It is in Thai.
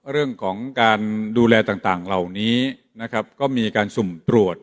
เรื่องของการดูแลต่างเหล่านี้นะครับก็มีการสุ่มตรวจ